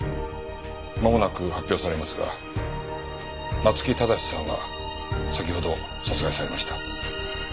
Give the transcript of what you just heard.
まもなく発表されますが松木正さんは先ほど殺害されました。